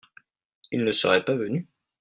Ils ne seraient pas venus ?